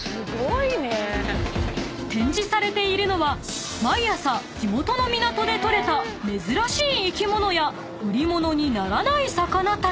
［展示されているのは毎朝地元の港で取れた珍しい生き物や売り物にならない魚たち］